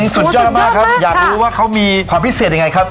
สุดยอดมากครับอยากรู้ว่าเขามีความพิเศษยังไงครับ